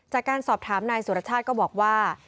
จากการสอบถามนายสุรชาติก็บอกว่า